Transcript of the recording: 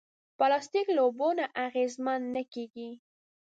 پلاستيک له اوبو نه اغېزمن نه کېږي.